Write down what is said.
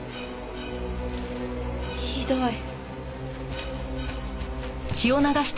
ひどい。